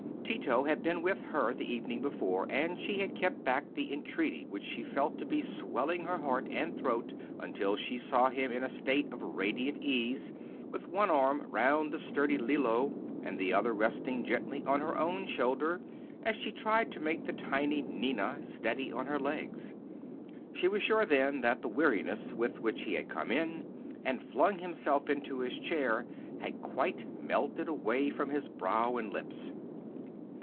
Tito had been with her the evening before, and she had kept back the entreaty which she felt to be swelling her heart and throat until she saw him in a state of radiant ease, with one arm round the sturdy Lillo, and the other resting gently on her own shoulder as she tried to make the tiny Ninna steady on her legs. She was sure then that the weariness with which he had come in and flung himself into his chair had quite melted away from his brow and lips.